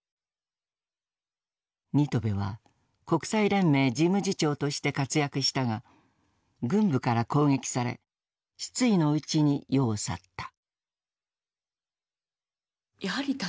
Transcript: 新渡戸は国際連盟事務次長として活躍したが軍部から攻撃され失意のうちに世を去った。